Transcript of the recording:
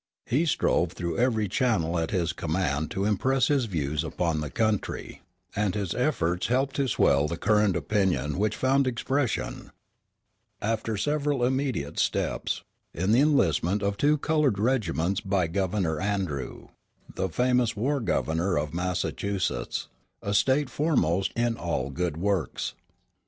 He strove through every channel at his command to impress his views upon the country; and his efforts helped to swell the current of opinion which found expression, after several intermediate steps, in the enlistment of two colored regiments by Governor Andrew, the famous war governor of Massachusetts, a State foremost in all good works.